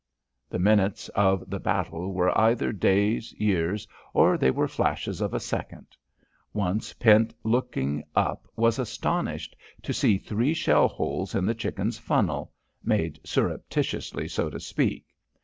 The minutes of the battle were either days, years, or they were flashes of a second. Once Pent looking up was astonished to see three shell holes in the Chicken's funnel made surreptitiously, so to speak....